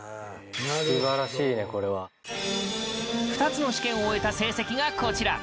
２つの試験を終えた成績がこちら。